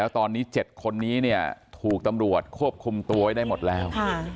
ตอนนี้๗คนนี้ถูกตำรวจควบคุมตัวไว้ได้หมดแล้ว